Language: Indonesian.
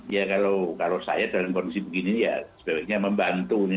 ya kalau saya dalam kondisi begini ya sebaiknya membantu